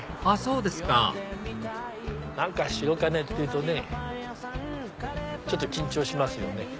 あっそうですか何か白金っていうとねちょっと緊張しますよね。